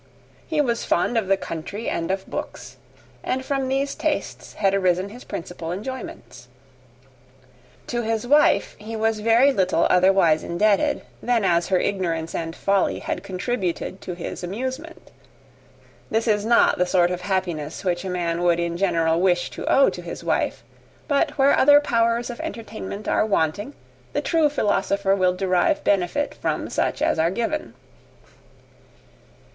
He was fond of the country and of books; and from these tastes had arisen his principal enjoyments. To his wife he was very little otherwise indebted than as her ignorance and folly had contributed to his amusement. This is not the sort of happiness which a man would in general wish to owe to his wife; but where other powers of entertainment are wanting, the true philosopher will derive benefit from such as are given.